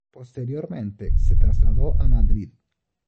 Posteriormente, se trasladó a Madrid.